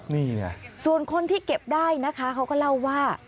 นี่ไงส่วนคนที่เก็บได้นะคะเขาก็เล่าว่า